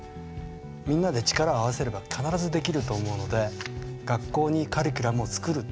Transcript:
みんなで力を合わせれば必ずできると思うので学校にカリキュラムを作る。